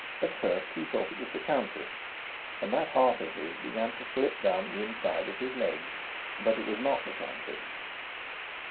At first he thought it was the Countess, and that heart of his began to slip down the inside of his legs. But it was not the Countess.